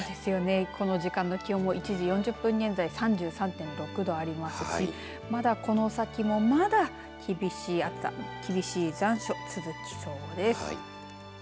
この時間の気温も１時４０分現在３３．６度ありますしまだこの先も、まだ厳しい暑さ厳しい残暑、続きそうです。